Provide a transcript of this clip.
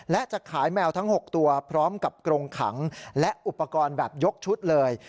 และจะขายแมวทั้ง๖ตัวพร้อมกับกรงขังและอุปกรณ์แบบยกชุดเลย